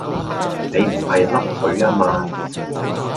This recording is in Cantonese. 你唔係笠水呀嗎